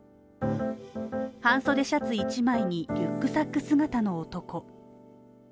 半袖シャツ１枚にリュックサック姿の男。